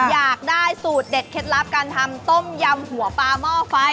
อยากได้สูตรเด็ดเคล็ดลับการทำต้มยำหัวปลาหม้อไฟ